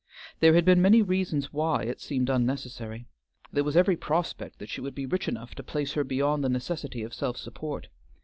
There had been many reasons why it seemed unnecessary. There was every prospect that she would be rich enough to place her beyond the necessity of self support.